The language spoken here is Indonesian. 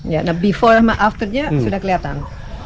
ya nah before sama afternya sudah kelihatan